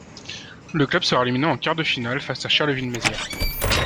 Le club sera éliminé en quart de finale face à Charleville-Mézières.